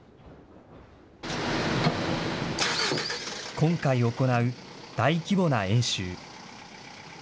今回行う、大規模な演習。